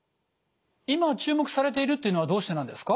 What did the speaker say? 今注目されているというのはどうしてなんですか？